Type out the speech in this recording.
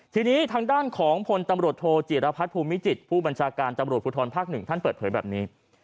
ทีนี้ทางด้านของพลตำรวจโทจิรพัฒน์ภูมิจิตผู้บัญชาการตำรวจภูทรภาค๑ท่านเปิดเผยแบบนี้